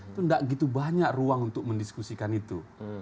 itu tidak gitu banyak ruang untuk mendiskusikan itu